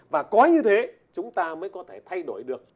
và có như thế chúng ta mới có thể thay đổi được